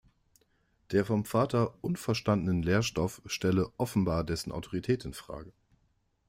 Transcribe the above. Der vom Vater unverstandenen Lernstoff stelle offenbar dessen Autorität in Frage.